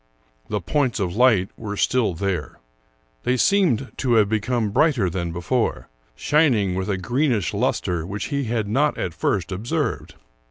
The points of light were still there. They seemed to have become brighter than before, shining with a greenish luster which he had not at first observed.